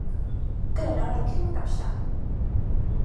เกิดอะไรขึ้นกับฉัน